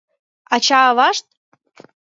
Ача-авашт?